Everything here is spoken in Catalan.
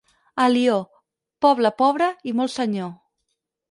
Alió, poble pobre i molt senyor.